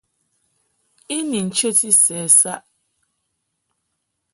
I ni nchəti sɛ saʼ.